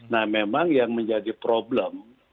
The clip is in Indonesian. nah memang yang menjadi problem